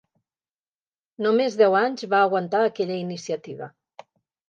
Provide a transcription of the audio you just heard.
Només deu anys va aguantar aquella iniciativa.